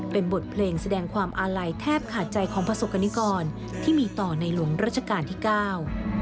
เป็นบทเพลงแสดงความอาลัยแทบขาดใจของประสบกรณิกรที่มีต่อในหลวงราชการที่เก้า